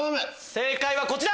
正解はこちら！